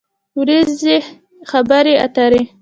ورځنۍ خبری اتری